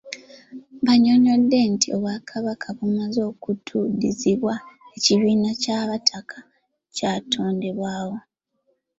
Banyonyodde nti ng'Obwakabaka bumaze okutuddizibwa, ekibiina ky'abataka kyatondebwawo.